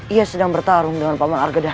ia sedang bertarung dengan paman argedah